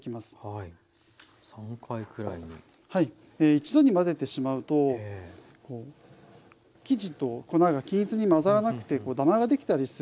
一度に混ぜてしまうと生地と粉が均一に混ざらなくてダマができたりするんですよね。